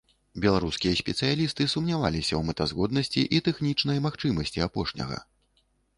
Беларускія спецыялісты сумняваліся ў мэтазгоднасці і тэхнічнай магчымасці апошняга.